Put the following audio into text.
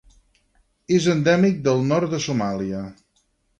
És endèmic del nord de Somàlia.